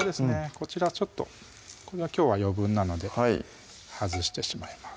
こちらちょっとこれはきょうは余分なので外してしまいます